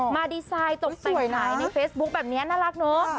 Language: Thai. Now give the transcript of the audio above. มาดีไซน์ตกแต่งไหนในเฟซบุ๊คแบบนี้น่ารักเนอะ